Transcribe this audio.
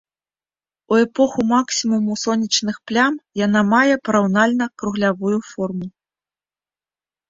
У эпоху максімуму сонечных плям яна мае параўнальна круглявую форму.